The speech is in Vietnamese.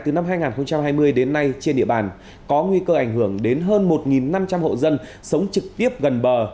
từ năm hai nghìn hai mươi đến nay trên địa bàn có nguy cơ ảnh hưởng đến hơn một năm trăm linh hộ dân sống trực tiếp gần bờ